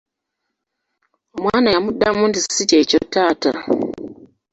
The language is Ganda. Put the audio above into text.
Omwana yamuddamu nti, “Si kyekyo taata”.